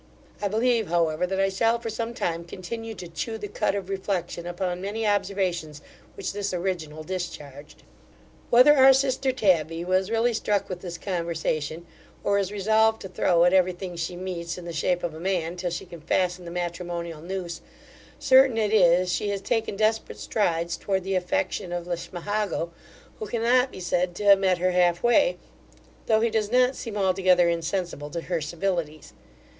I believe, however, that I shall for some time continue to chew the cud of reflection upon many observations which this original discharged. Whether our sister Tabby was really struck with his conversation, or is resolved to throw at every thing she meets in the shape of a man, till she can fasten the matrimonial noose, certain it is, she has taken desperate strides towards the affection of Lismahago, who cannot be said to have met her half way, though he does not seem altogether insensible to her civilities.